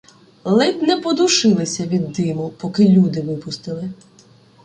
Ледь не подушилися від диму, поки люди випустили.